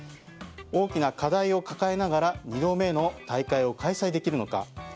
大きな課題を抱えながら２度目の大会を開催できるのか。